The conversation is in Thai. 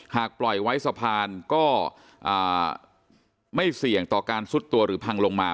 หากปล่อยไว้สะพานก็ไม่เสี่ยงต่อการซุดตัวหรือพังลงมา